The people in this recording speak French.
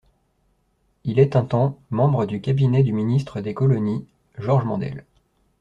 Il est, un temps, membre du cabinet du ministre des Colonies Georges Mandel.